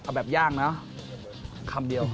เอาแบบย่างนะคำเดียว